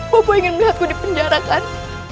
bopo ingin melihatku di penjarakan